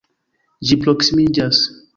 Ĝi proksimiĝas.